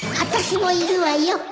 私もいるわよ